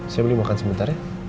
saya beli makan sebentar ya